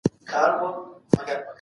بل جورجيايي کس هم په غلا کې ښکېل و.